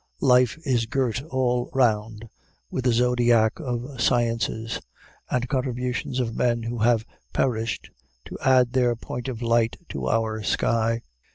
Life is girt all round with a zodiac of sciences, the contributions of men who have perished to add their point of light to our sky.